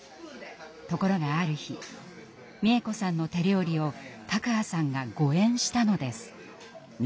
ところがある日美枝子さんの手料理を卓巴さんが誤えんしたのです。